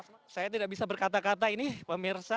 saya tidak bisa berkata kata ini pemirsa